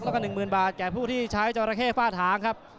แล้วก็๑๐๐๐บาทแก่ผู้ที่ใช้จราเข้ฝ้าทางครับ